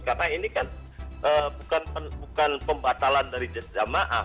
karena ini kan bukan pembatalan dari jamaah